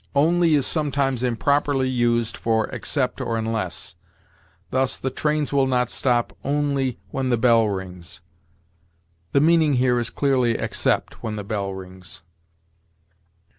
Only is sometimes improperly used for except or unless; thus, "The trains will not stop only when the bell rings." The meaning here is clearly "except when the bell rings."